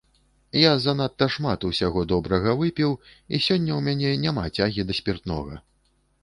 Я занадта шмат усяго добрага выпіў, і сёння ў мяне няма цягі да спіртнога.